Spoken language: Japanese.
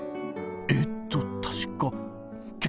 えっと確かけ